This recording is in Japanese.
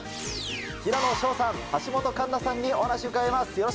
平野紫燿さん、橋本環奈さんにお話し伺います。